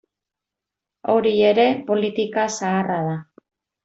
Hori ere politika zaharra da.